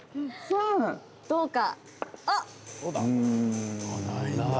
どうか。